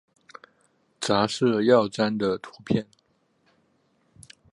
杂色耀鲇的图片